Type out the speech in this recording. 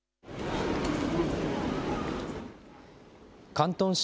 広東省